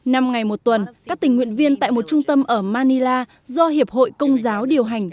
năm ngày một tuần các tình nguyện viên tại một trung tâm ở manila do hiệp hội công giáo điều hành